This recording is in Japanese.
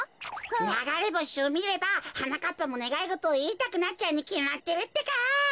ながれぼしをみればはなかっぱもねがいごとをいいたくなっちゃうにきまってるってか。